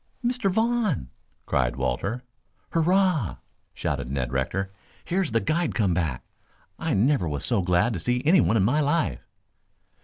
"Mr. Vaughn!" cried Walter. "Hurrah!" shouted Ned Rector. "Here's the guide come back. I never was so glad to see anyone in my life."